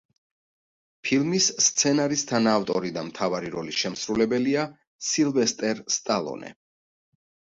ფილმის სცენარის თანაავტორი და მთავარი როლის შემსრულებელია სილვესტერ სტალონე.